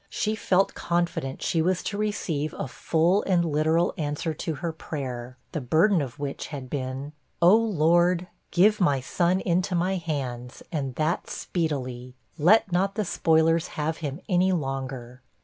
She felt confident she was to receive a full and literal answer to her prayer, the burden of which had been 'O Lord, give my son into my hands, and that speedily! Let not the spoilers have him any longer.'